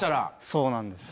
そうなんです。